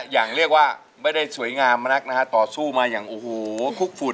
อย่างเรียกว่าไม่ได้สวยงามมากนักนะฮะต่อสู้มาอย่างโอ้โหคุกฝุ่น